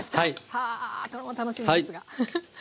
はそれも楽しみですが。